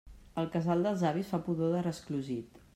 El casal dels avis fa pudor de resclosit.